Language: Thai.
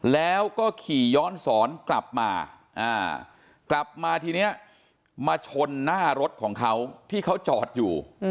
แล้วก็ขี่ย้อนสอนกลับมากลับมาทีนี้มาชนหน้ารถของเขาที่เขาจอดอยู่